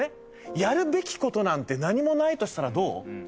やるべき事なんて何もないとしたらどう？